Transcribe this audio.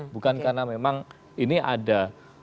bukan karena memang ini ada